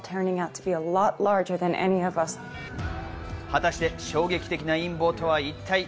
果たして衝撃的な陰謀とは一体？